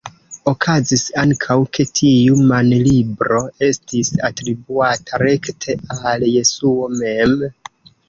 Okazis ankaŭ ke tiu manlibro estis atribuata rekte al Jesuo mem.